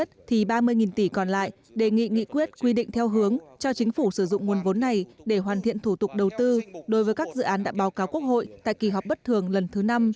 thì ba mươi tỷ còn lại đề nghị nghị quyết quy định theo hướng cho chính phủ sử dụng nguồn vốn này để hoàn thiện thủ tục đầu tư đối với các dự án đã báo cáo quốc hội tại kỳ họp bất thường lần thứ năm